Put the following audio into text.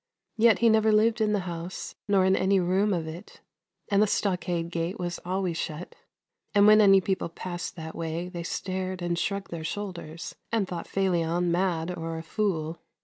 Yet he never lived in the house, nor in any room of it, and the stockade gate was always shut ; and when any people passed that way they stared and shrugged their shoulders, and thought Felion mad or THERE WAS A LITTLE CITY 339 a fool.